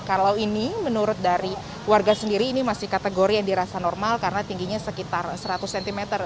kalau ini menurut dari warga sendiri ini masih kategori yang dirasa normal karena tingginya sekitar seratus cm